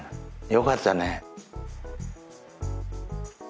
よかったね。